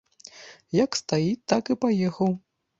Як стаіць, так і паехаў.